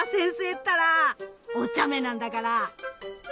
ったらおちゃめなんだから！